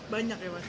banyak ya pak